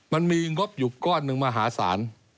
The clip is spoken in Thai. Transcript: มันมีงบอยู่ก้อนหนึ่งมหาศาล